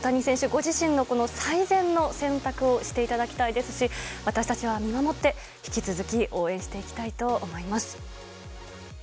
ご自身の最善の選択をしていただきたいですし、私たちは見守って、引き続き応援していきたいと思います。